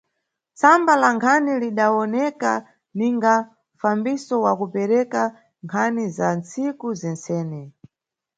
Tsamba la nkhani lidawoneka ninga mfambiso wa kupereka nkhani za nntsiku zentsene.